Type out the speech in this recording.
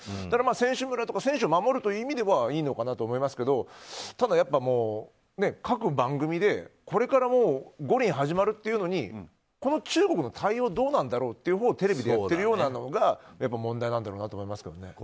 だから選手村とか選手を守る意味ではいいのかなと思いますけどただ、やっぱり各番組でこれから五輪が始まるっていうのにこの中国の対応どうなんだろうというほうをテレビでやってるようなのがやっぱり問題なんだろうと思いますけどね。